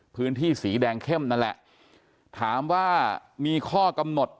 พื้นที่สีแดงเข้มนั่นแหละถามว่ามีข้อกำหนด